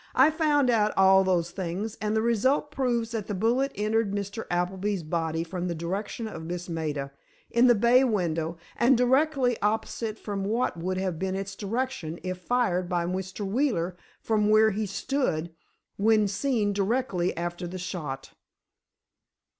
"I found out all those things, and the result proves that the bullet entered Mr. Appleby's body from the direction of Miss Maida, in the bay window, and directly opposite from what would have been its direction if fired by Mr. Wheeler, from where he stood, when seen directly after the shot."